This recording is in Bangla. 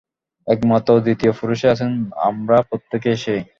একমাত্র অদ্বিতীয় পুরুষই আছেন, আমরা প্রত্যেকেই সেই।